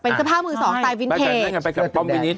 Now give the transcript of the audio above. เป็นสภาพมือสองไตล์วินเทจไปกันปล้อมวินิสต์